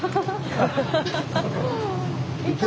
いた！